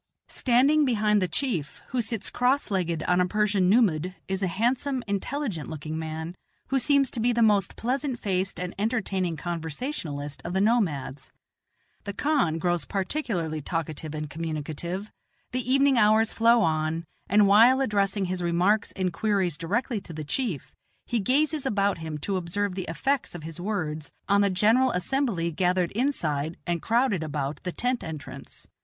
Standing behind the chief, who sits cross legged on a Persian nummud, is a handsome, intelligent looking man, who seems to be the most pleasant faced and entertaining conversationalist of the nomads. The kahn grows particularly talkative and communicative, the evening hours flow on, and while addressing his remarks and queries directly to the chief, he gazes about him to observe the effects of his words on the general assembly gathered inside and crowded about the tent entrance.